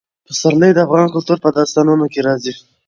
پسرلی د افغان کلتور په داستانونو کې راځي.